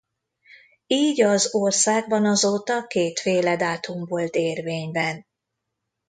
Így az országban azóta kétféle dátum volt érvényben.